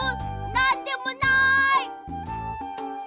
なんでもない！